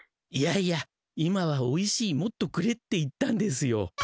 いやいや今は「おいしいもっとくれ」って言ったんですよ。